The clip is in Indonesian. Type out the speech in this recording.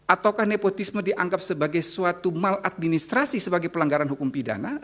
ataukah nepotisme dianggap sebagai suatu maladministrasi sebagai pelanggaran hukum pidana